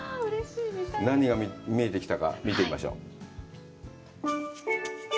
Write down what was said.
何が見えてきたか、見てみましょう。